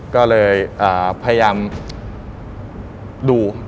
ก็เลยพยายามดู